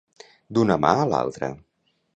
D'una mà a l'altra.